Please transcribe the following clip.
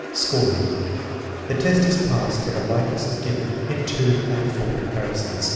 Scoring. The test is passed if a likeness is given in two out, of four comparisons.